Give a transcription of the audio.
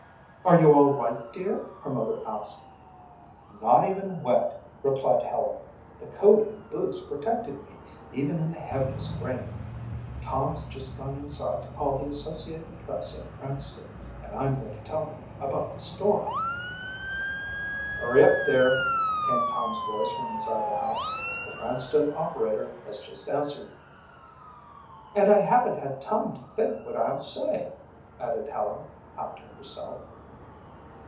"Are you all right, dear?" her mother asked. "Not even wet," replied Helen. "The coat and boots protected me even in the heaviest rain. Tom's just gone inside to call the Associated Press at Cranston and I'm going to tell them about the storm." "Hurry up there," came Tom's voice from inside the house. "The Cranston operator has just answered." "And I haven't had time to think what I'll say," added Helen, half to herself.